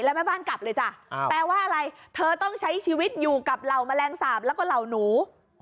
แล้วแม่บ้านกลับเลยจ้ะแปลว่าอะไรเธอต้องใช้ชีวิตอยู่กับเหล่าแมลงสาปแล้วก็เหล่าหนู